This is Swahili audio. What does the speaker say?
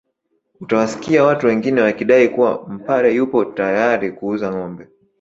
Utawasikia watu wengine wakidai kuwa Mpare yupo tayari kuuza ngombe